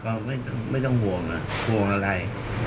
ถ้าส่วนหมูพีมีกำลังคุยของเราหรือเปล่า